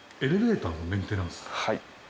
はい。